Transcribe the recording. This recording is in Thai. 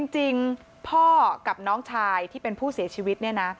จริงพ่อกับน้องชายที่เป็นผู้เสียชีวิตเนี่ยนะ